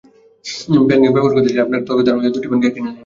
Pancake ব্যবহার করতে চাইলে আপনার ত্বকের ধরন অনুযায়ী দুটি প্যানকেক কিনে নিন।